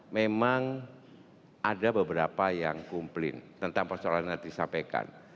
memang ada beberapa yang komplain tentang persoalan yang disampaikan